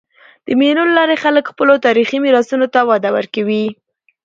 د مېلو له لاري خلک خپلو تاریخي میراثونو ته وده ورکوي.